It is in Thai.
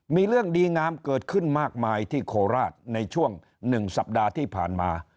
มีเรื่องดีงามเกิดขึ้นมากมายที่โคราชในช่วง๑สัปดาห์ที่ผ่านมา